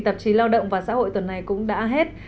tạp chí lao động và xã hội tuần này cũng đã hết